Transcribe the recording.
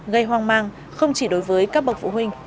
gây hoang mang không chỉ đối với các bậc phụ huynh